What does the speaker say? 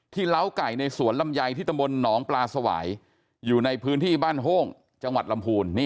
เล้าไก่ในสวนลำไยที่ตำบลหนองปลาสวายอยู่ในพื้นที่บ้านโห้งจังหวัดลำพูน